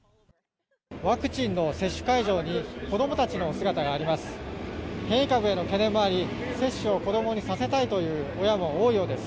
ワクチンの接種会場に子供たちの姿があります。